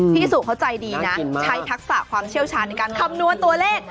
พี่สุเขาใจดีนะใช้ทักษะความเชี่ยวชาญในการคำนวณตัวเลข